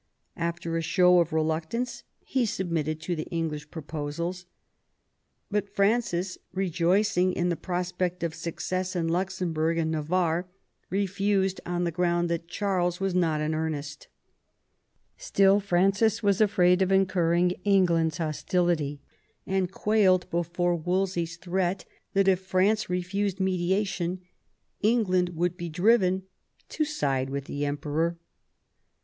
After a show of reluct ance he submitted to the English proposals ; but Francis, rejoicing in the prospect of success in Luxembourg and Navarre, refused on the ground that Charles was not in earnest. Still Francis was afraid of incurring V THE CONFERENCE OF CALAIS 73 England's hostility, and quailed before Wolsey's threat that if France refused mediation, England would be driven to side with the Emperor.